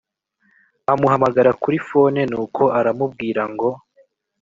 amuhamagara kuri phone nuko aramubwira ngo